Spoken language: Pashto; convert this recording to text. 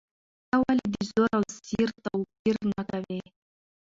ته ولې د زور او زېر توپیر نه کوې؟